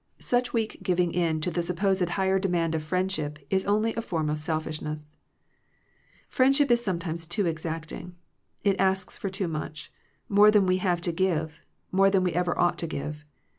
Such weak giving in to 199 Digitized by VjOOQIC THE LIMITS OF FRIENDSHIP the supposed higher demand of friend« ship is only a form of selfishness. Friendship is sometimes too exacting. It asks for too much, more than we have to give, more than we ever ought to give.